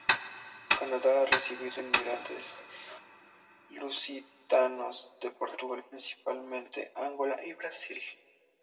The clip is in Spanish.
Canadá ha recibido inmigrantes lusitanos de Portugal principalmente, Angola y Brasil.